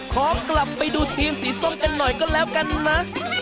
ขอกลับไปดูทีมสีส้มกันหน่อยก็แล้วกันนะ